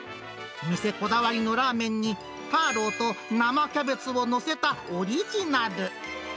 店こだわりのラーメンに、ターローと生キャベツを載せたオリジナル。